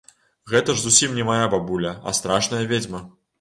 Гэта ж зусім не мая бабуля, а страшная ведзьма.